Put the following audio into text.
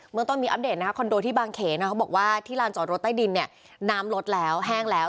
เมืองต้นมีอัปเดตคอนโดที่บางเขนเขาบอกว่าที่ลานจอดรถใต้ดินเนี่ยน้ำลดแล้วแห้งแล้ว